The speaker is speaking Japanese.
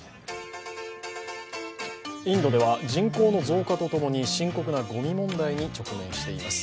インドでは人口の増加とともに深刻なごみ問題に直面しています。